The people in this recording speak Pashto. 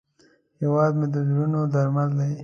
هیواد مې د زړونو درمل دی